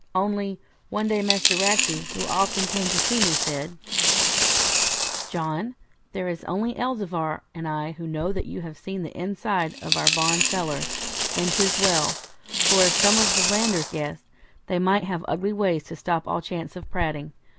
Only, one day Master Ratsey, who often came to see me, said 'John, there is only Elzevir and I who know that you have seen the inside of our bond cellar; and 'tis well, for if some of the landers guessed, they might have ugly ways to stop all chance of prating.